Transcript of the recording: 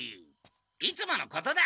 いつものことだ。